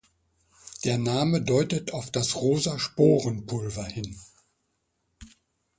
Der Name deutet auf das rosa Sporenpulver hin.